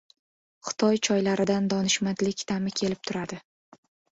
Xitoy choylaridan donishmandlik taʼmi kelib turadi.